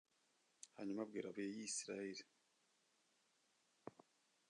hanyuma abwira abayisraheli